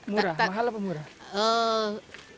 murah mahal apa murah